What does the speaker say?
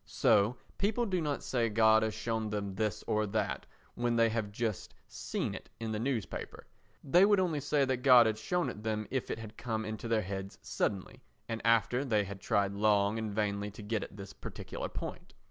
So people do not say God has shown them this or that when they have just seen it in the newspapers; they would only say that God had shown it them if it had come into their heads suddenly and after they had tried long and vainly to get at this particular point.